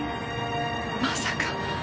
まさか。